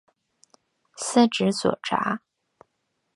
司职左闸。